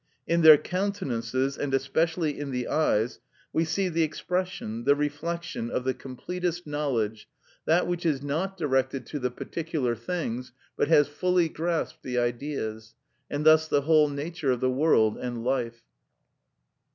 In their countenances, and especially in the eyes, we see the expression, the reflection, of the completest knowledge, that which is not directed to particular things, but has fully grasped the Ideas, and thus the whole nature of the world and life.